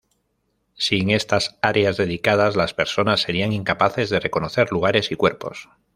Sin estas áreas dedicadas, las personas serían incapaces de reconocer lugares y cuerpos.